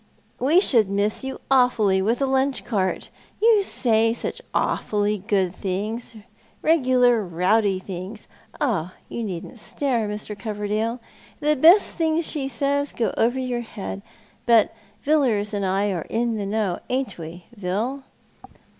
" We shall miss you awfully with the lunch cart. You say such awfully good things, regular rowdy things. Oh, you needn't stare, Mr. Coverdale. The best things she says go over your head ; but Villars and I are in the know, ain't we, Vill